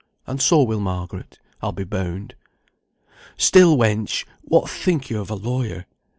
And so will Margaret, I'll be bound. Still, wench! what think yo of a lawyer?